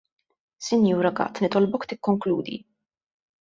Sinjura Gatt nitolbok tikkonkludi.